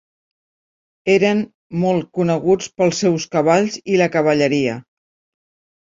Eren molt coneguts pels seus cavalls i la cavalleria.